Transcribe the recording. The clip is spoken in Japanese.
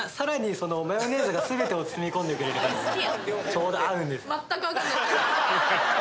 ちょうど合うんです。